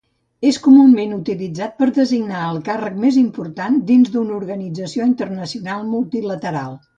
És comunament utilitzat per designar el càrrec més important dins d'una organització internacional multilateral.